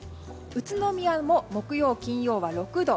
宇都宮も木曜日、金曜日は６度。